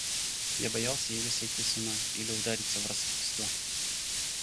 Я боялся или сойти с ума, или удариться в распутство.